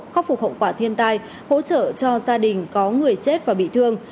khắc phục hậu quả thiên tai hỗ trợ cho gia đình có người chết và bị thương